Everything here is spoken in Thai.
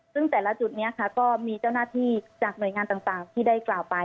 ซึ่งแต่ละจุดนี้ค่ะก็มีเจ้าหน้าที่จากหน่วยงานต่างที่ได้กล่าวไป